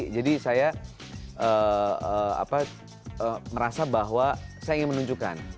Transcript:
jadi saya merasa bahwa saya ingin menunjukkan